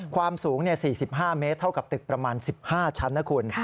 ความสูง๔๕เมตรเท่ากับตึกประมาณ๑๕ชั้นนะคุณ